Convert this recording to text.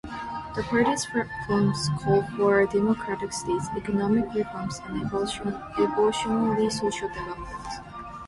The party's platform calls for a democratic state, economic reforms and evolutionary social development.